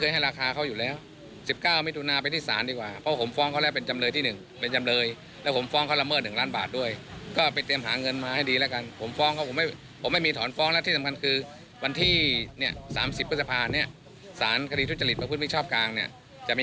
ฮเจ้าสั่งมาว่าจะรับฟ้องคณิตที่เขาต้องฟ้องผมเป็นจัดลอยร่วม